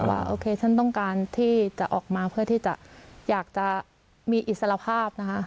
ว่าโอเคฉันต้องการที่จะออกมาเพื่อที่จะอยากจะมีอิสระภาพนะคะ